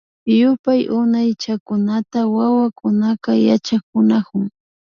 Yupay Unaychakunata wawakunaka yachakunakun